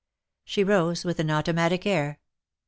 She rose with an automatic air.